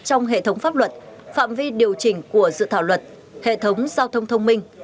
trong hệ thống pháp luật phạm vi điều chỉnh của dự thảo luật hệ thống giao thông thông minh